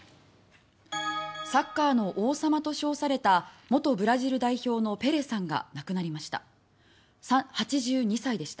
サッカーの王様と称された元ブラジル代表のペレさんが亡くなりました。